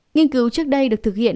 nghiên cứu trước đây được thực hiện